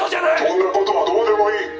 そんなコトはどうでもいい！